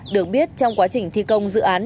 được biết trong quá trình thi công dự án